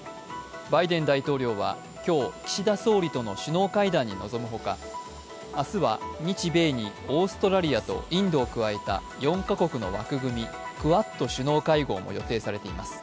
バイデン大統領は今日、岸田総理との首脳会談に臨むほか、明日は日米にオーストラリアとインドを加えた４カ国の枠組み、クアッド首脳会合も予定されています。